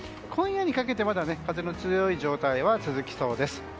今夜にかけてまだ風の強い状態は続きそうです。